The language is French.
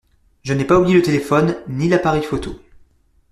Je n’ai pas oublié le téléphone, ni l’appareil photo.